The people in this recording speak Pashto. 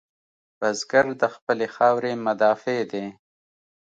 بزګر د خپلې خاورې مدافع دی